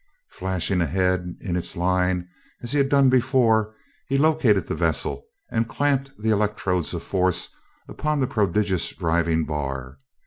Flashing ahead in its line as he had done before, he located the vessel and clamped the electrodes of force upon the prodigious driving bar.